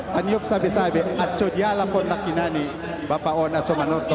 yang saya ingin katakan ada juga yang menarik bapak jokowi dodo